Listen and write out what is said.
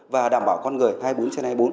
và đảm bảo con người hai mươi bốn trên hai mươi bốn